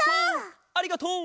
ありがとう！